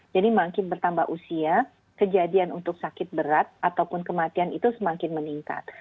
jadi makin bertambah usia kejadian untuk sakit berat ataupun kematian itu semakin meningkat